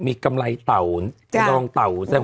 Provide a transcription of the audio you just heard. มีกำไรตาวน้องต่าว